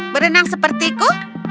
berenang seperti ku